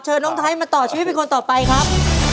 น้องไทยมาต่อชีวิตเป็นคนต่อไปครับ